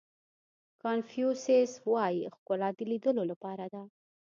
کانفیو سیس وایي ښکلا د لیدلو لپاره ده.